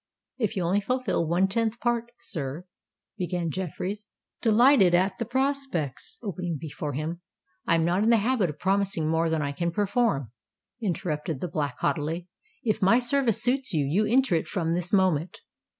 "If you only fulfil one tenth part, sir——" began Jeffreys, delighted at the prospects opening before him. "I am not in the habit of promising more than I can perform," interrupted the Black haughtily. "If my service suits you, you enter it from this moment."